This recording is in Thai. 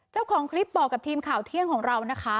เจ้าของคลิปบอกกับทีมข่าวเที่ยงของเรานะคะ